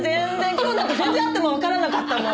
今日なんて全然会ってもわからなかったもん。